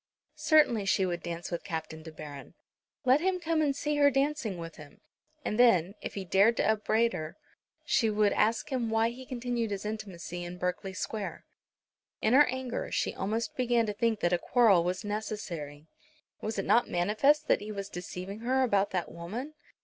Certainly she would dance with Captain De Baron. Let him come and see her dancing with him; and then, if he dared to upbraid her, she would ask him why he continued his intimacy in Berkeley Square. In her anger she almost began to think that a quarrel was necessary. Was it not manifest that he was deceiving her about that woman?